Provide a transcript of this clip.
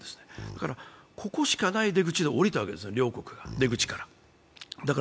だから、ここしかない出口で両国が降りたわけです、出口から。